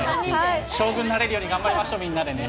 将軍になれるように頑張りましょう、みんなでね。